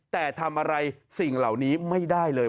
แต่ทำอะไรสิ่งเหล่านี้ไม่ได้เลย